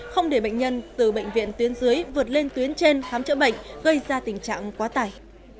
không để bệnh nhân từ bệnh viện tuyến dưới vượt lên tuyến trên khám chữa bệnh gây ra tình trạng quá tải